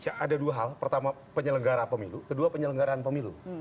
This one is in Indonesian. ada dua hal pertama penyelenggara pemilu kedua penyelenggaraan pemilu